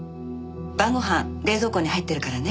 晩ご飯冷蔵庫に入ってるからね。